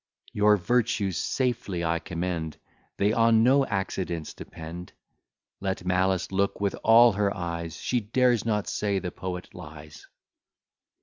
Your virtues safely I commend; They on no accidents depend: Let malice look with all her eyes, She dares not say the poet lies.